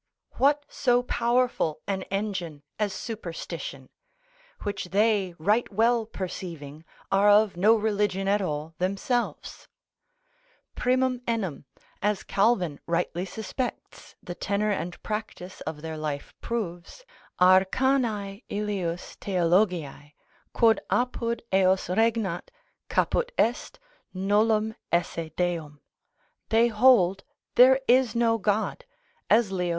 What so powerful an engine as superstition? which they right well perceiving, are of no religion at all themselves: Primum enim (as Calvin rightly suspects, the tenor and practice of their life proves), arcanae illius theologiae, quod apud eos regnat, caput est, nullum esse deum, they hold there is no God, as Leo X.